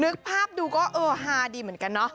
นึกภาพดูก็เออฮาดีเหมือนกันเนาะ